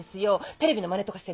テレビのマネとかしてね